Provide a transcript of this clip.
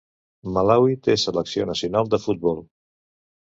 Malawi té selecció nacional de futbol.